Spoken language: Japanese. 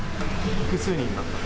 複数人だった？